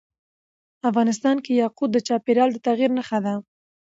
افغانستان کې یاقوت د چاپېریال د تغیر نښه ده.